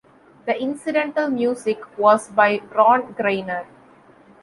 The incidental music was by Ron Grainer.